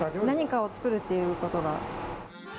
何かを作るっていうことが。